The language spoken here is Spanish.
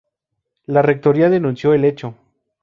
La rectoría denunció el hecho.